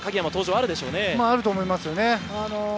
あると思います。